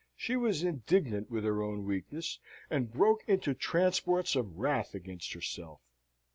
She was indignant with her own weakness, and broke into transports of wrath against herself.